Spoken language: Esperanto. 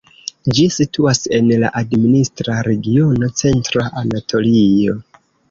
Ĝi situas en la administra regiono Centra Anatolio.